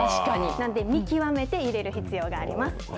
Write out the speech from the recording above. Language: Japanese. なんで見極めて入れる必要があります。